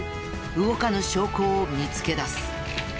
動かぬ証拠を見つけ出す。